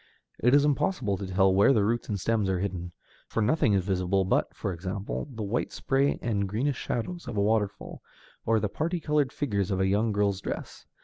It is impossible to tell where the roots and stems are hidden, for nothing is visible but (for example) the white spray and greenish shadows of a waterfall, or the parti colored figures in a young girl's dress.